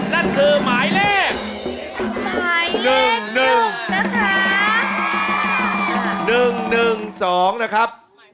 นั่นคือหมายเลขหมายเลขหนึ่งนะคะหนึ่งหนึ่งสองนะครับ